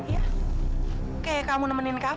ya kayak kamu nemenin kak fah